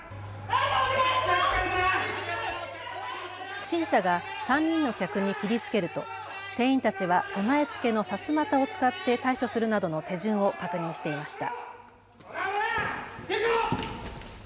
不審者が３人の客に切りつけると店員たちは備え付けのさすまたを使って対処するなどの手順を確認していました。